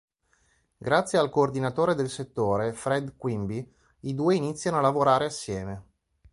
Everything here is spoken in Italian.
Grazie al coordinatore del settore, Fred Quimby, i due iniziano a lavorare assieme.